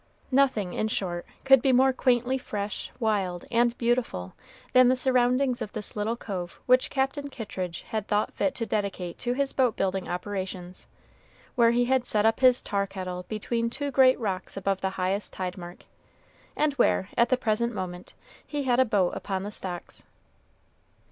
Nothing, in short, could be more quaintly fresh, wild, and beautiful than the surroundings of this little cove which Captain Kittridge had thought fit to dedicate to his boat building operations, where he had set up his tar kettle between two great rocks above the highest tide mark, and where, at the present moment, he had a boat upon the stocks.